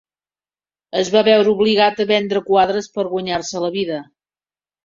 Es va veure obligat a vendre quadres per guanyar-se la vida.